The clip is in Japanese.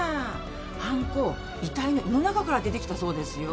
はんこ遺体の胃の中から出てきたそうですよ。